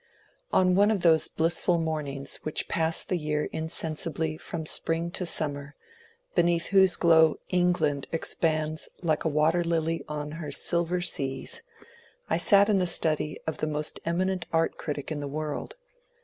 On one of those blissful mornings whicli pass the year insen sibly from spring to summer, beneath whose glow England expands like a water lily on her silver seas, I sat in the study of the most eminent art critic in the world.